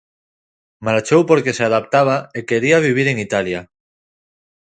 Marchou porque se adaptaba e quería vivir en Italia.